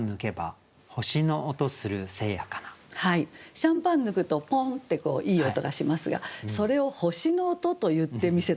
シャンパン抜くとポンッてこういい音がしますがそれを「星の音」と言ってみせたかっていうね